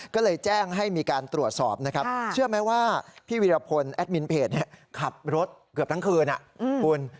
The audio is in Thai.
ก็เลยแจ้งให้มีการตรวจสอบนะครับเชื่อไหมว่าพี่วิรพลแอดมินเพจขับรถเกือบทั้งคืนคุณ